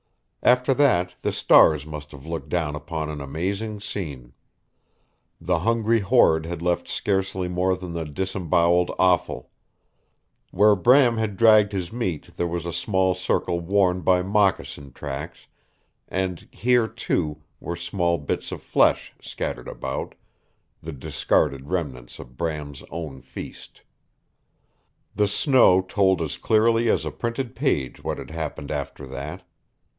After that the stars must have looked down upon an amazing scene. The hungry horde had left scarcely more than the disemboweled offal. Where Bram had dragged his meat there was a small circle worn by moccasin tracks, and here, too, were small bits of flesh, scattered about the discarded remnants of Bram's own feast. The snow told as clearly as a printed page what had happened after that.